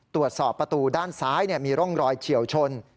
ตรวจสอบประตูด้านซ้ายมีร่องรอยเฉียวชน